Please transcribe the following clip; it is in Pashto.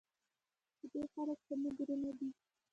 د دې خلک زموږ ورونه دي؟